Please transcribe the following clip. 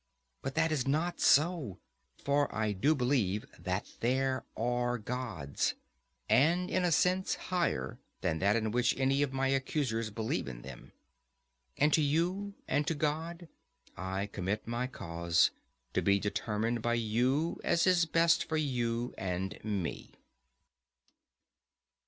But that is not so—far otherwise. For I do believe that there are gods, and in a sense higher than that in which any of my accusers believe in them. And to you and to God I commit my cause, to be determined by you as is best for you and me.